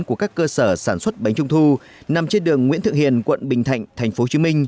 của các cơ sở sản xuất bánh trung thu nằm trên đường nguyễn thượng hiền quận bình thạnh tp hcm